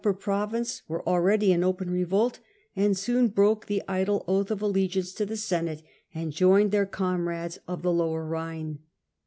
j 1 proclaimed province were already in revolt, and soon broke Emperor. allegiance to the Senate and joined their comrades of the lower Rhine.